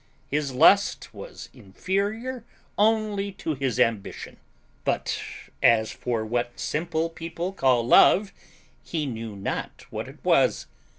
His lust was inferior only to his ambition; but, as for what simple people call love, he knew not what it was.